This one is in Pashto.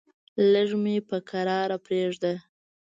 لږ مې په کرار پرېږده!